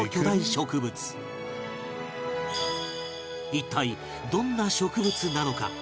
一体どんな植物なのか？